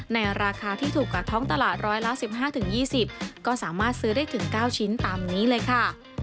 ในราคาที่ถูกกว่าท้องตลาดร้อยละ๑๕๒๐ก็สามารถซื้อได้ถึง๙ชิ้นตามนี้เลยค่ะ